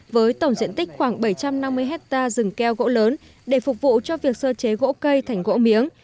với tổng diện tích khoảng bảy trăm năm mươi hectare rừng keo gỗ lớn để phục vụ cho việc sơ chế gỗ cây thành gỗ miếng